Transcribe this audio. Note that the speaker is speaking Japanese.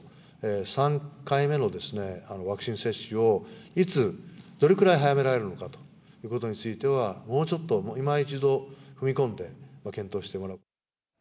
３回目のワクチン接種をいつ、どれくらい早められるのかということについては、もうちょっと、今一度踏み込んで検討してもらう。